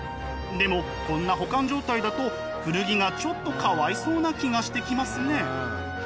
でもこんな保管状態だと古着がちょっとかわいそうな気がしてきますね。